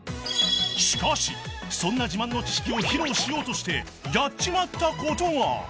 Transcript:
［しかしそんな自慢の知識を披露しようとしてやっちまったことが］